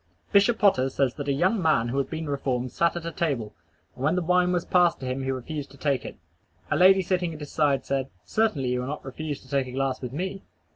Bishop Potter says that a young man who had been reformed sat at a table, and when the wine was passed to him refused to take it. A lady sitting at his side said, "Certainly you will not refuse to take a glass with me?"